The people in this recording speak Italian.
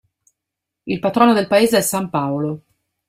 Il patrono del paese è San Paolo.